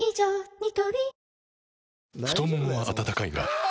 ニトリ太ももは温かいがあ！